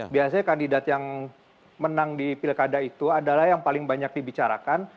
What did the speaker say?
biasanya kandidat yang menang di pilkada itu adalah yang paling banyak dibicarakan